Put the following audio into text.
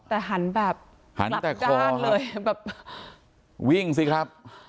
แต่หันแบบหันแต่คอหลับด้านเลยแบบวิ่งสิครับ